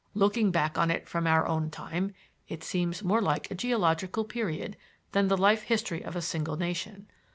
Looking back on it from our own time, it seems more like a geological period than the life history of a single nation.